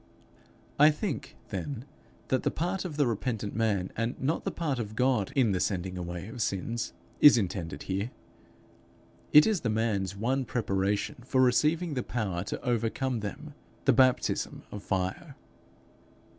I think, then, that the part of the repentant man, and not the part of God, in the sending away of sins, is intended here. It is the man's one preparation for receiving the power to overcome them, the baptism of fire.